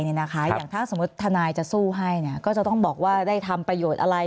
อย่างถ้าสมมุติทนายจะสู้ให้ก็จะต้องบอกว่าได้ทำประโยชน์อะไร